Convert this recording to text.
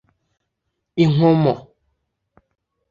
inkomo